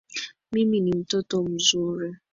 Mimi ni mtoto mzuri